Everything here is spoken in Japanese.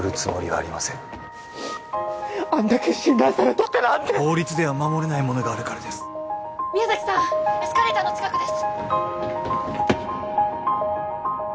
あんだけ信頼されとって何で法律では守れないものがあるからです宮崎さんエスカレーターの近くです